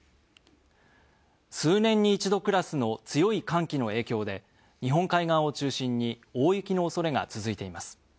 数年に一度クラスの強い寒気の影響で日本海側を中心に大雪の恐れが続いています。